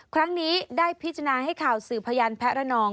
ครั้งนี้ได้พิจารณาให้ข่าวสื่อพยานแพ้ระนอง